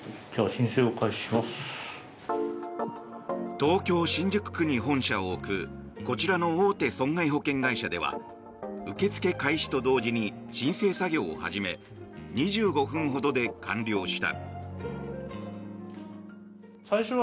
東京・新宿区に本社を置くこちらの大手損害保険会社では受け付け開始と同時に申請作業を始め２５分ほどで完了した。